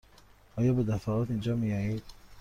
آیا به دفعات اینجا می آیید؟